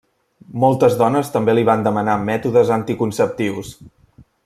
Moltes dones també li van demanar mètodes anticonceptius.